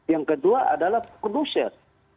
yang kedua adalah produser